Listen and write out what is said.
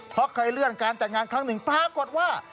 เพราะเคยเลื่อนการจัดงานครั้งหนึ่งปรากฏว่า